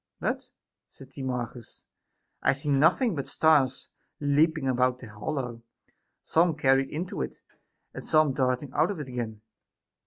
But, said Timarchus, I see nothing but stars leaping about the hol low, some carried into it, and some darting out of it again.